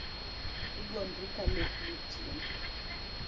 Igondri ka lek motieno